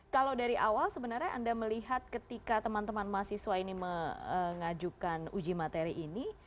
kalau dari awal sebenarnya anda melihat ketika teman teman mahasiswa ini mengajukan uji materi ini